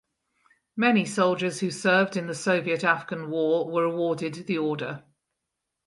Many soldiers who served in the Soviet–Afghan War were awarded the order.